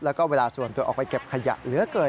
แล้วก็เวลาส่วนตัวออกไปเก็บขยะเหลือเกิน